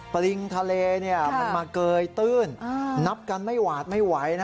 ปริงทะเลมันมาเกยตื้นนับกันไม่หวาดไม่ไหว